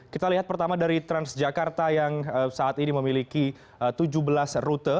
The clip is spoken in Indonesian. kita lihat pertama dari transjakarta yang saat ini memiliki tujuh belas rute